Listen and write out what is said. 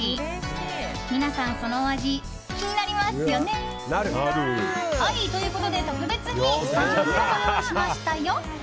皆さん、そのお味気になりますよね。ということで、特別にスタジオにもご用意しましたよ！